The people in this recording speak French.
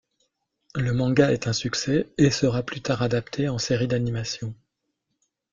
Le manga est un succès et sera plus tard adapté en série d'animation.